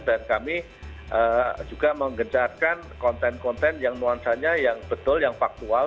dan kami juga menggejarkan konten konten yang nuansanya yang betul yang faktual